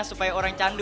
supaya orang candu